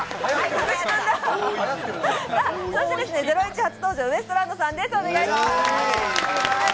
そして『ゼロイチ』初登場、ウエストランドさんです、お願いします。